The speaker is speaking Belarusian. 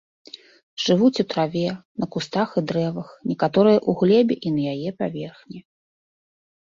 Жывуць у траве, на кустах і дрэвах, некаторыя ў глебе і на яе паверхні.